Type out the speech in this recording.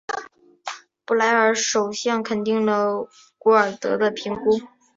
布莱尔首相肯定了古尔德的评估。